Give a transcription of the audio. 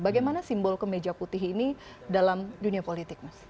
bagaimana simbol kemeja putih ini dalam dunia politik mas